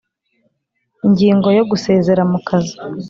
Ingingo yo gusezera mu kazi